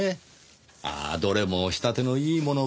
ああどれも仕立てのいいものばかりです。